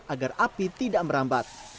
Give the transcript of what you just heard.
agar api tidak merambat